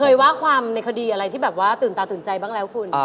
ว่าความในคดีอะไรที่แบบว่าตื่นตาตื่นใจบ้างแล้วคุณ